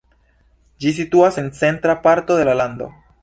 Ĝi situas en centra parto de la lando.